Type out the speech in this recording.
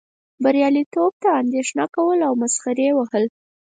بریالیتوب ته اندیښنه کول او مسخرې وهل.